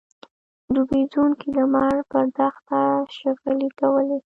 ډوبېدونکی لمر پر دښته شغلې کولې.